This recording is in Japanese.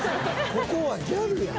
ここはギャルやん。